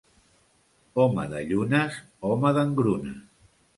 Home de llunes, home d'engrunes.